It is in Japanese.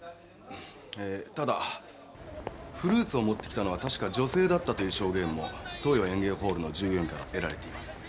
ええただフルーツを持ってきたのは確か女性だったという証言も東洋演芸ホールの従業員から得られています。